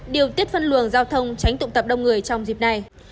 điều tiết phân luồng giao thông tránh tụ tập đông người trong dịp này